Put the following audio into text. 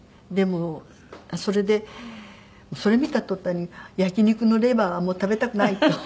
でもそれでそれ見た途端に焼き肉のレバーはもう食べたくないと。